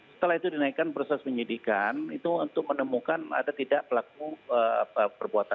setelah itu dinaikkan proses penyidikan itu untuk menemukan ada tidak pelaku perbuatan